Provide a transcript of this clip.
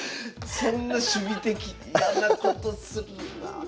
そんな守備的嫌なことするな。